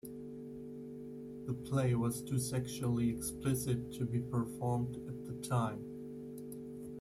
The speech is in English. The play was too sexually explicit to be performed at the time.